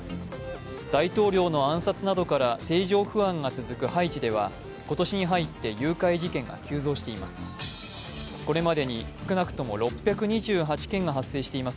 大統領の暗殺などから政情不安が続くハイチでは今年に入って誘拐事件が急増しています。